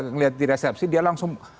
ngelihat di resepsi dia langsung